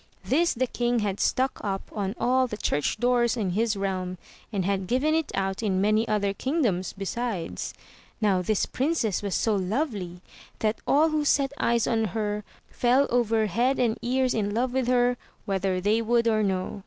This the king had stuck up on all the church doors in his realm, and had given it out in many other kingdoms besides. Now, this princess was so lovely that all who set eyes on her fell over head and ears in love with her whether they would or no.